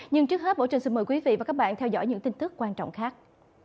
nhưng trước hết bộ trình xin mời quý vị và các bạn theo dõi những tin tức quan trọng khác